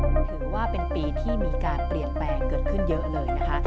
ถือว่าเป็นปีที่มีการเปลี่ยนแปลงเกิดขึ้นเยอะเลยนะคะ